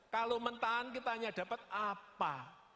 kalau mentahan kita hanya dapat apa